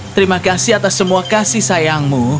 terima kasih atas semua kasih sayangmu